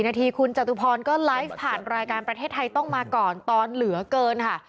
นาทีคุณจตุพรก็ไลฟ์ผ่านรายการประเทศไทยต้องมาก่อนตอนเหลือเกินค่ะ